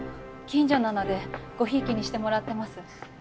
近所なのでごひいきにしてもらってます。